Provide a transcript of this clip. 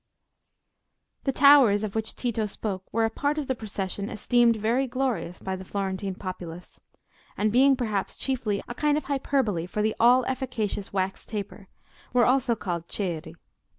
The "towers" of which Tito spoke were a part of the procession esteemed very glorious by the Florentine populace; and being perhaps chiefly a kind of hyperbole for the all efficacious wax taper, were also called ceri.